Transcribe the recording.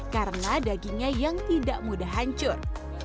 karena dagingnya yang tidak mudah hancur